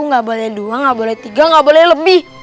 gak boleh dua gak boleh tiga gak boleh lebih